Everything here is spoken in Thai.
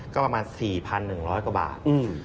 ก็ประมาณ๔๑๐๐กว่าบาท